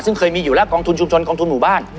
ซึ่งเคยมีอยู่แล้วกองทุนชุมชนกองทุนหมู่บ้าน